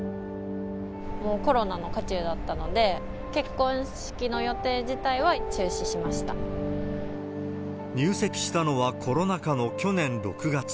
もうコロナの渦中だったので、結婚式の予定自体は中止しました。入籍したのはコロナ禍の去年６月。